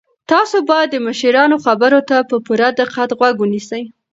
تاسو باید د مشرانو خبرو ته په پوره دقت غوږ ونیسئ.